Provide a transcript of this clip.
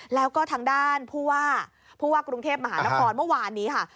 แล้วก็ทางด้านผู้ว่าผู้ว่ากรุงเทพมหานครเมื่อวานนี้ค่ะ